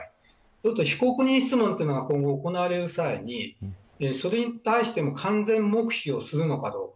すると被告人質問というのは今後行われる際にそれに対しても完全黙秘をするのかどうか。